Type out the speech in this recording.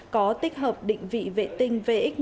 có tích hợp định vị vệ tinh vx một nghìn bảy trăm linh